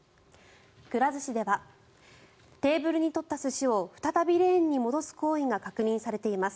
くら寿司ではテーブルに取った寿司を再びレーンに戻す行為が確認されています。